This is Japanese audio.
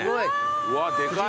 うわでかい。